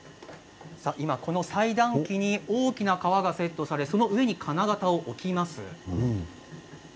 裁断機に大きな革がセットされその上に金型を置きます。